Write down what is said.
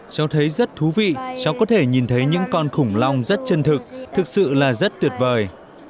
cháu thấy rất thú vị cháu có thể nhìn thấy những con khủng long rất chân thực thực sự là rất tuyệt vời